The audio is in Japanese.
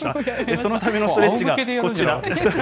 そのためのストレッチがこちらです。